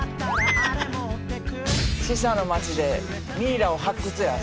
死者の町でミイラを発掘や。